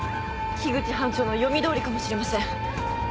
口班長の読み通りかもしれません。